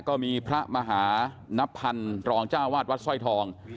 ก็มีพระมหานับพันธ์รองจ้าวาดวัดสร้อยทอง